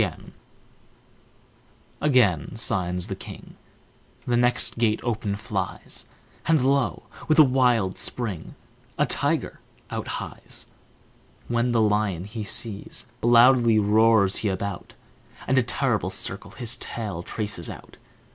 Again signs the king, The next gate open flies, And, lo! with a wild spring, A tiger out hies. When the lion he sees, loudly roars he about, And a terrible circle his tail traces out.